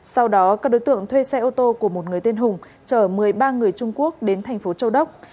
sau đó các đối tượng thuê xe ô tô của một người tên hùng chở một mươi ba người trung quốc đến thành phố châu đốc